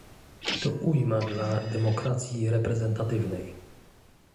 To ujma dla demokracji reprezentatywnej